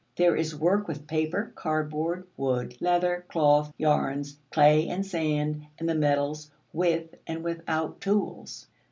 There is work with paper, cardboard, wood, leather, cloth, yarns, clay and sand, and the metals, with and without tools.